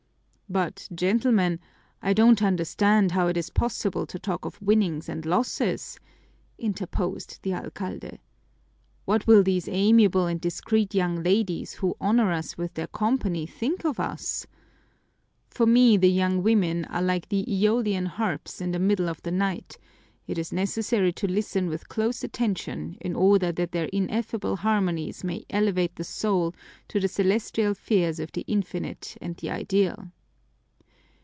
"But, gentlemen, I don't understand how it is possible to talk of winnings and losses," interposed the alcalde. "What will these amiable and discreet young ladies who honor us with their company think of us? For me the young women are like the Æolian harps in the middle of the night it is necessary to listen with close attention in order that their ineffable harmonies may elevate the soul to the celestial spheres of the infinite and the ideal!"